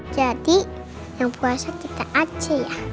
jadi yang puasa kita aja ya